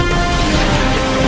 càng phục vụ con